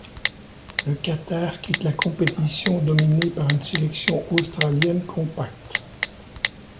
Le Qatar quitte la compétition dominé par une sélection australienne compacte.